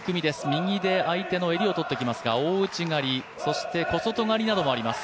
右で相手の襟を取っていきますが大内刈り、そして小外刈りなどもあります。